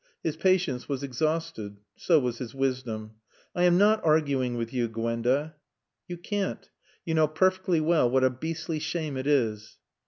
His patience was exhausted. So was his wisdom. "I am not arguing with you, Gwenda." "You can't. You know perfectly well what a beastly shame it is."